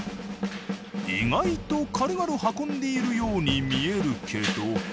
意外と軽々運んでいるように見えるけど。